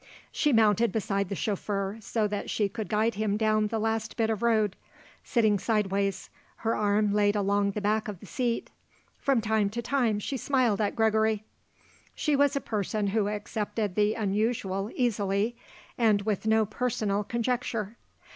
She mounted beside the chauffeur so that she could guide him down the last bit of road, sitting sideways, her arm laid along the back of the seat. From time to time she smiled at Gregory. She was a person who accepted the unusual easily and with no personal conjecture.